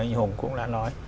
anh hùng cũng đã nói